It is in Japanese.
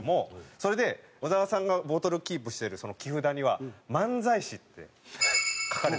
それで小沢さんがボトルキープしているその木札には「漫才師」って書かれてて。